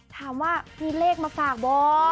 ถามว่ามีเลขมาฝากบอก